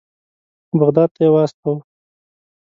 بغداد ته یې واستاوه.